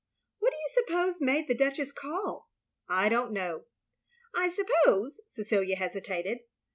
"What do you suppose made the Duchess call?" "I don't know." "I suppose —" Cecilia hesitated.